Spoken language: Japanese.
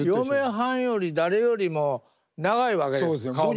嫁はんより誰よりも長いわけですよ。